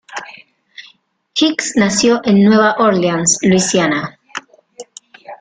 Hicks nació en Nueva Orleans, Luisiana.